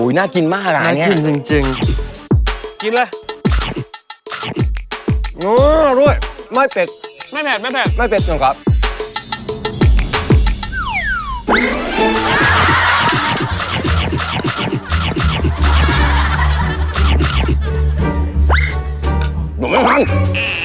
อุ๊ยน่ากินมากอันนี้น่ากินจริงน่ากินมากอันนี้